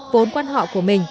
vốn quan họ của mình